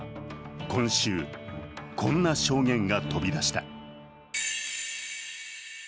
今週、こんな証言が飛び出した。